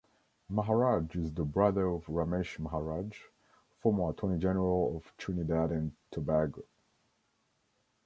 Maharaj is the brother of Ramesh Maharaj, former Attorney General of Trinidad and Tobago.